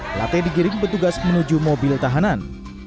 plate digirim bertugas menuju mobil tahanan